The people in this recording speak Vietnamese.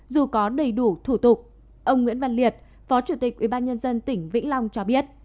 dù có đầy đủ thủ tục ông nguyễn văn liệt phó chủ tịch ubnd tỉnh vĩnh long cho biết